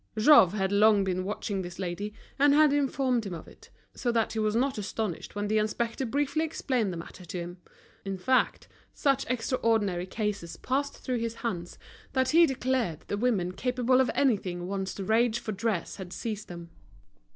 Jouve had long been watching this lady, and had informed him of it, so that he was not astonished when the inspector briefly explained the matter to him; in fact, such extraordinary cases passed through his hands that he declared the women capable of anything once the rage for dress had seized them.